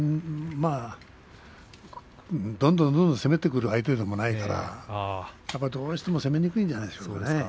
どんどんどんどん攻めてくる相手でもないからねどうしても攻めにくいんじゃないでしょうか。